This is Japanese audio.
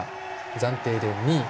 暫定で２位。